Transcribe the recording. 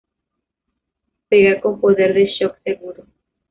Pega con poder de shock seguro.